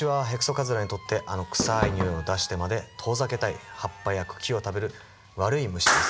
カズラにとってあの臭いにおいを出してまで遠ざけたい葉っぱや茎を食べる悪い虫です。